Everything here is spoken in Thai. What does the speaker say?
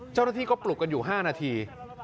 เจ้าหน้าที่ก็ปลุกกันอยู่๕นาที